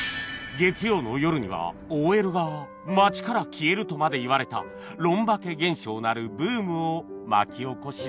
月曜の夜には ＯＬ が街から消えるとまでいわれたロンバケ現象なるブームを巻き起こしました